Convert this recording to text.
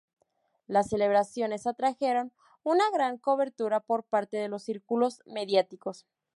Las celebraciones atrajeron una gran cobertura por parte de los círculos mediáticos.